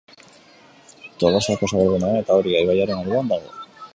Tolosako zabalgunean eta Oria ibaiaren alboan dago.